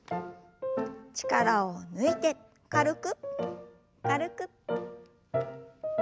力を抜いて軽く軽く。